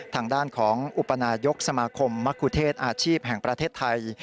ทางด้านของอุปนายกสมาคมมะคุเทศอาชีพแห่งประเทศไทย